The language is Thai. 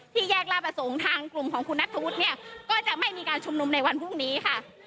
แยกลาประสงค์ทางกลุ่มของคุณนัทธวุฒิเนี่ยก็จะไม่มีการชุมนุมในวันพรุ่งนี้ค่ะ